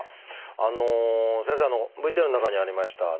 先生ＶＴＲの中にありました